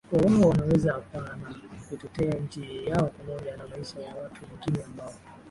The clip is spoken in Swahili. kuwa wao wanaweza apana kutetea nchi yao pamoja na maisha ya watu wengine ambao